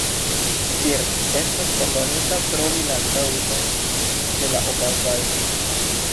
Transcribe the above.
Kirk estas ordonita trovi la kaŭzon de la okazaĵo.